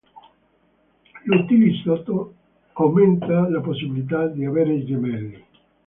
L'utilizzo aumenta la possibilità di avere gemelli.